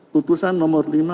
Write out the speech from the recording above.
putusan nomor lima